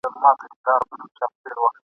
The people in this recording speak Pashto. ستا بچیان هم زموږ په څېر دي نازولي؟ !.